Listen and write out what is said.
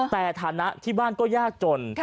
แต่ฐานะที่บ้านก็ยากจน